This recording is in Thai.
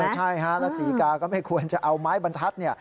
ใช่ฮะแล้วศรีกาก็ไม่ควรจะเอาไม้บรรทัศน์เนี่ย